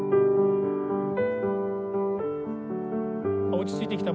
落ち着いてきた。